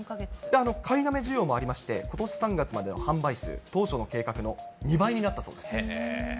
買いだめ需要もありまして、ことし３月までの販売数、当初の計画の２倍になったそうです。